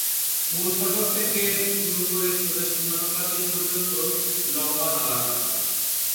মূল ফটক থেকে শুরু করে সোজা সীমানাপ্রাচীর পর্যন্ত লম্বা নালা কাটা।